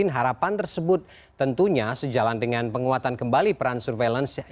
harapan tersebut tentunya sejalan dengan penguatan kembali peran surveillance